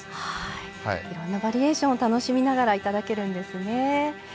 いろんなバリエーションを楽しみながらいただけるんですね。